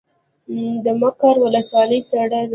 د مقر ولسوالۍ سړه ده